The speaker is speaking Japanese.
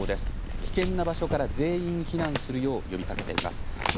危険な場所から全員避難するよう呼びかけています。